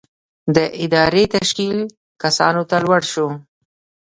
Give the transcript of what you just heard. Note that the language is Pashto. د ادارې تشکیل کسانو ته لوړ شو.